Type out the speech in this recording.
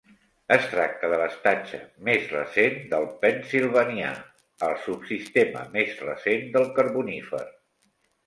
Es tracta de l'estatge més recent del Pennsilvanià, el subsistema més recent del Carbonífer.